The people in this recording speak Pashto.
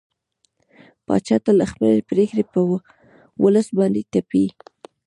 پاچا تل خپلې پرېکړې په ولس باندې تپي.